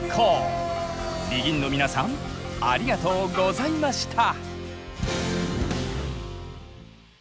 ＢＥＧＩＮの皆さんありがとうございました。